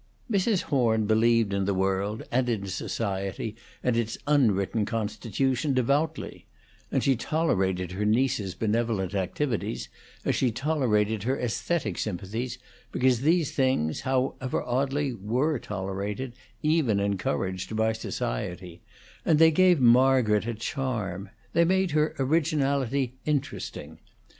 Mrs. Horn believed in the world and in society and its unwritten constitution devoutly, and she tolerated her niece's benevolent activities as she tolerated her aesthetic sympathies because these things, however oddly, were tolerated even encouraged by society; and they gave Margaret a charm. They made her originality interesting.